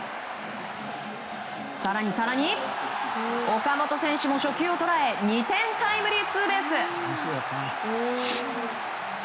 更に、更に岡本選手も初球を捉え２点タイムリーツーベース。